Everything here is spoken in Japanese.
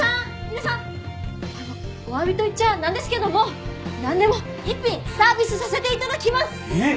あのおわびと言っちゃなんですけども何でも１品サービスさせていただきます！えっ！？